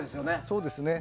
そうですね。